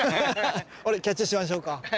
俺キャッチャーしましょうか？